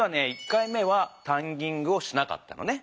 １回目は「タンギング」をしなかったのね。